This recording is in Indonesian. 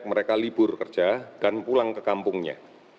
mereka libur kerja dan pulang ke kampungnya